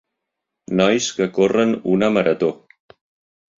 Nois que corren una marató.